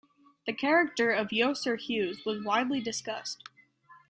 The character of Yosser Hughes was widely discussed.